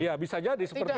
ya bisa jadi seperti itu